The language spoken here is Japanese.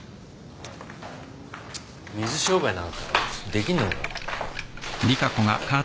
水商売なんかできんのか？